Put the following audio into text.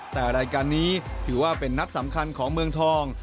แต่รายการนี้ถือว่าเป็นนัดสำคัญของเมืองทอง